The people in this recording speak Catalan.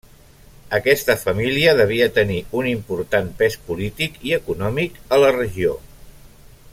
Aquesta família devia tenir un important pes polític i econòmic a la regió.